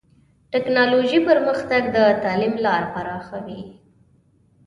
ټکنالوژي پرمختګ د تعلیم لار پراخوي.